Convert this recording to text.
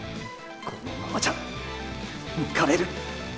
このままじゃ抜かれる。